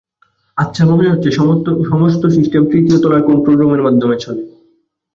আচ্ছা, মনে হচ্ছে সমস্ত সিস্টেম তৃতীয় তলার কন্ট্রোল রুমের মাধ্যমে চলে।